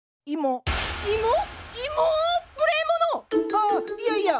あっいやいや。